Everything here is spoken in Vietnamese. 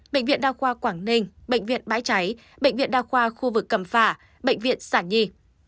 bệnh viện đao khoa quảng ninh bệnh viện bãi cháy bệnh viện đao khoa khu vực cầm phả bệnh viện sản nhi